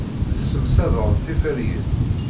Tessemsadeḍ tiferyin.